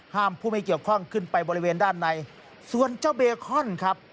ผู้ไม่เกี่ยวข้องขึ้นไปบริเวณด้านในส่วนเจ้าเบคอนครับ